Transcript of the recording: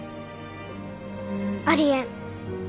ありえん。